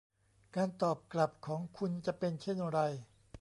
การตอบกลับของคุณจะเป็นเช่นไร